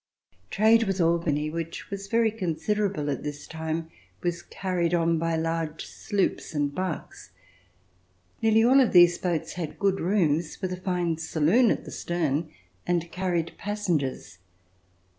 Trade with Albany, which was very considerable at this time, was carried on by large sloops and barks. Nearly all of these boats had good rooms, with a fine saloon at the stern, and carried passengers.